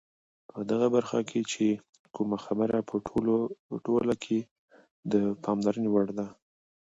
په دغه برخه کې چې کومه خبره په ټوله کې د پاملرنې وړ ده،